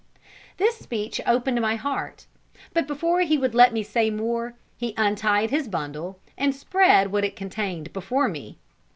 This speech opened my heart; but before he would let me say more, he untied his bundle, and spread what it contained before me.